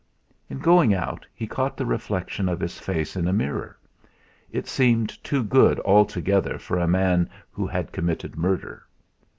In going out he caught the reflection of his face in a mirror; it seemed too good altogether for a man who had committed murder.